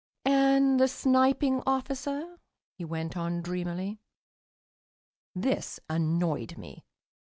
"And the Sniping officer?" he went on dreamily. This annoyed me.